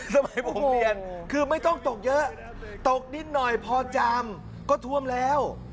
สมัยผมเรียนคือไม่ต้องตกเยอะตกนิดหน่อยพอจามก็ท่วมแล้ว